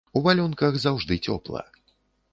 У валёнках заўжды цёпла.